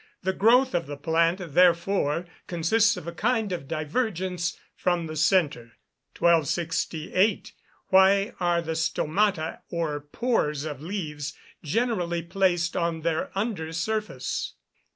The growth of the plant, therefore, consists of a kind of divergence from the centre. 1268. _Why are the stomata, or pores of leaves, generally placed on their under surface?